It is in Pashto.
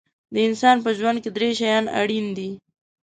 د انسان په ژوند کې درې شیان اړین دي.